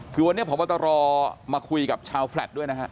คือวันนี้พบตรมาคุยกับชาวแฟลตด้วยนะฮะ